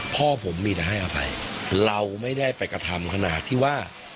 พ่อผมมีแต่ให้อภัยเราไม่ได้ไปกระทำขนาดที่ว่า